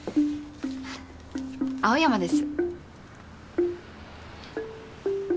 青山です。